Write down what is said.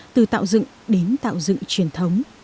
từ tạo dựng đến tạo dựng truyền thống